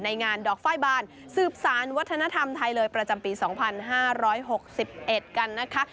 งานดอกไฟล์บานสืบสารวัฒนธรรมไทยเลยประจำปี๒๕๖๑กันนะคะ